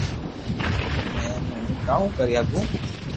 ھمي اي مي ھون ڪاو ڪري ھگو